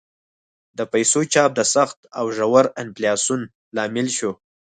د پیسو چاپ د سخت او ژور انفلاسیون لامل شو.